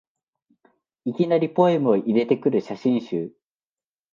いきなりポエムを入れてくる写真集